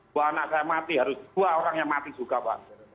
dua anak saya mati harus dua orangnya mati juga mbak